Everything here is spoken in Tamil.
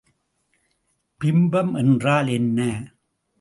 பிம்பம் என்றால் என்ன?